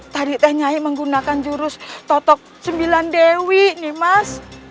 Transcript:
tadi teh nyai menggunakan jurus totok sembilan dewi nimas